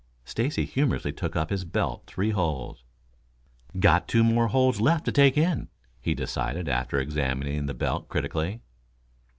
Stacy humorously took up his belt three holes. "Got two more holes left to take in," he decided after examining the belt critically.